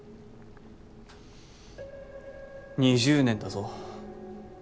２０年だぞ。